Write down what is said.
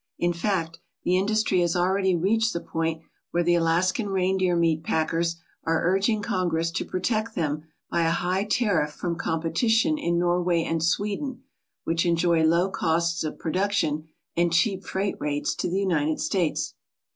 In fact, the industry has already reached the point where the Alaskan reindeer meat packers are urging Congress to protect them by a high tariff from competition in Norway and Sweden, which enjoy low costs of production and cheap freight rates to the United States.